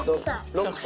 ６歳。